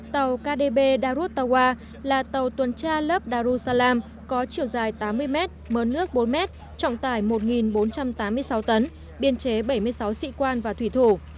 tàu kdp darut tawah là tàu tuần tra lớp darussalam có chiều dài tám mươi m mớ nước bốn m trọng tải một bốn trăm tám mươi sáu tấn biên chế bảy mươi sáu sĩ quan và thủy thủ